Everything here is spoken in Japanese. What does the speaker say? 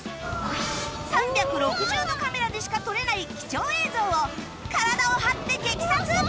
３６０度カメラでしか撮れない貴重映像を体を張って激撮！